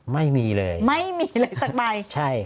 ไม่มีเลยครับใช่ครับไม่มีเลยครับไม่มีเลยสักใบ